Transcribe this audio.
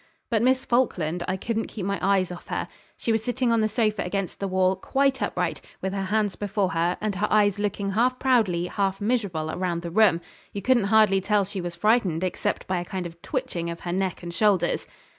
But Miss Falkland; I couldn't keep my eyes off her. She was sitting on the sofa against the wall, quite upright, with her hands before her, and her eyes looking half proudly, half miserable, round the room. You couldn't hardly tell she was frightened except by a kind of twitching of her neck and shoulders.